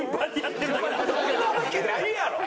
そんなわけないやろ！